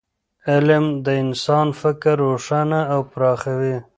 علم د انسان فکر روښانه او پراخوي.